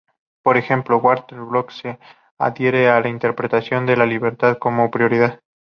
Por ejemplo, Walter Block se adhiere a la interpretación de la "libertad como propiedad".